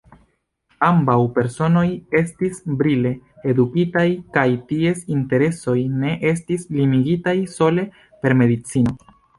Ambaŭ personoj estis brile edukitaj kaj ties interesoj ne estis limigitaj sole per medicino.